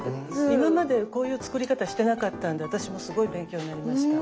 今までこういう作り方してなかったので私もすごい勉強になりました。